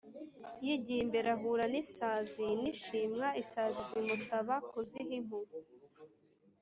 yigiye imbere ahura n’isazi n’ishwima. isazi zimusaba kuziha impu